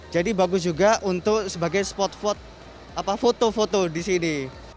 jadi bagus juga untuk sebagai spot foto di sini